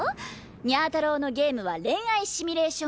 にゃ太郎のゲームは恋愛シミュレーションゲーム。